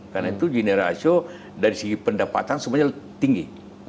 karena itu jenis rasio dari segi pendapatan sebenarnya tinggi